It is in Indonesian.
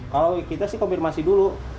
kalau kita sih konfirmasi dulu